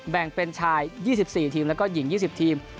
แบ่งเป็นชาย๒๔ทีมแล้วก็หญิง๒๐ทีม